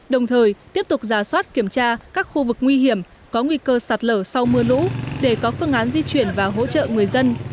đồng thời tiếp tục giả soát kiểm tra các khu vực nguy hiểm có nguy cơ sạt lở sau mưa lũ để có phương án di chuyển và hỗ trợ người dân